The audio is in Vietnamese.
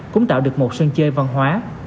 cũng tạo được một sân chơi văn hóa